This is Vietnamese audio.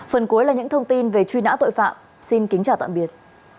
phần cuối là những thông tin về truy nã tội phạm xin kính chào tạm biệt